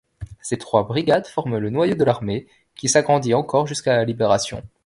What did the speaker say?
Ces trois brigades forment le noyau de l'armée, qui s’agrandit encore jusqu'à la Libération.